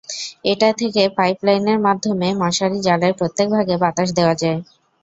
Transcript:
এটা থেকে পাইপলাইনের মাধ্যমে মশারি জালের প্রত্যেক ভাগে বাতাস দেওয়া যায়।